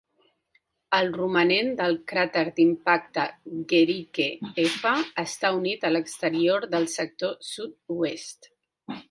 El romanent del cràter d'impacte Guericke F està unit a l'exterior del sector sud-oest.